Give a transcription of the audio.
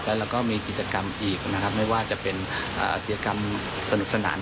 แล้วเราก็มีกิจกรรมอีกนะครับไม่ว่าจะเป็นกิจกรรมสนุกสนาน